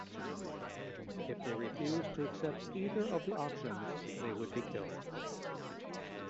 If they refused to accept either of the options they would be killed.